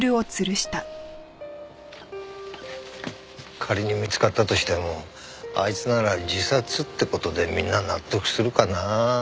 仮に見つかったとしてもあいつなら自殺って事でみんな納得するかなあって。